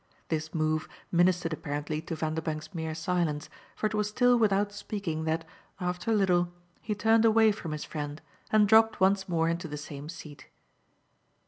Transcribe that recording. This move ministered apparently to Vanderbank's mere silence, for it was still without speaking that, after a little, he turned away from his friend and dropped once more into the same seat.